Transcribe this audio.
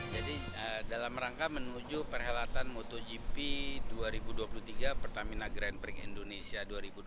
jadi dalam rangka menuju perhelatan motogp dua ribu dua puluh tiga pertamina grand prix indonesia dua ribu dua puluh tiga